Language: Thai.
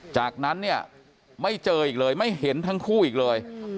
จากนั้นเนี่ยไม่เจออีกเลยไม่เห็นทั้งคู่อีกเลย